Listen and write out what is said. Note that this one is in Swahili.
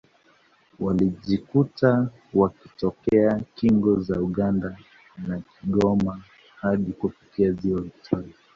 Walijikuta wakitokea kingo za Uganda na Kigoma hadi kufikia Ziwa Viktoria